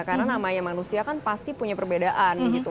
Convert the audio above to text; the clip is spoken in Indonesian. karena namanya manusia kan pasti punya perbedaan gitu